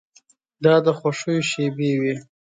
دا د خوښیو شېبې وې.